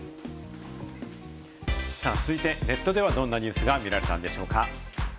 続いてネットではどんなニュースが見られたんでしょうか？